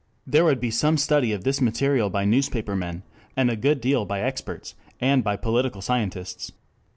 There would be some study of this material by newspaper men, and a good deal by experts and by political scientists.